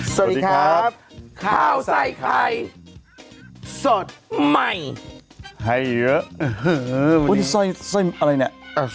สวัสดีครับขาวใส่ใครสดใหม่ให้เยอะอื้อหือส่วยส่วยอะไรเนี่ย